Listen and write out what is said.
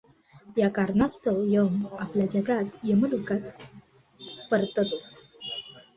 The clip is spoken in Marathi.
या कारणास्तव यम आपल्या जगात यमलोकात परततो.